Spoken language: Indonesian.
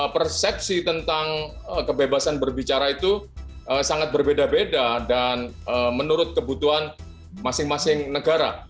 persepsi tentang kebebasan berbicara itu sangat berbeda beda dan menurut kebutuhan masing masing negara